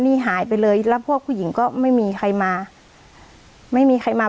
นี่หายไปเลยแล้วพวกผู้หญิงก็ไม่มีใครมาไม่มีใครมา